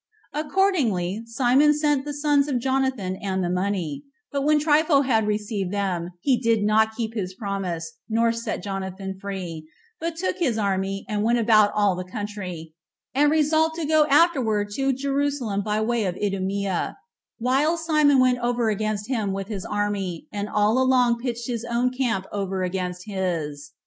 Accordingly, Simon sent the sons of Jonathan and the money; but when Trypho had received them, he did not keep his promise, nor set Jonathan free, but took his army, and went about all the country, and resolved to go afterward to Jerusalem by the way of Idumea, while Simon went over against him with his army, and all along pitched his own camp over against his.